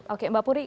oke mbak puri